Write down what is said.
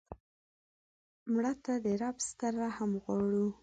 مړه ته د رب ستر رحم غواړو